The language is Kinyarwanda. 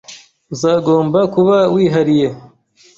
Uzagomba kuba wihariye.